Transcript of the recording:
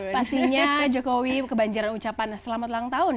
pastinya jokowi kebanjaran ucapan selamat ulang tahun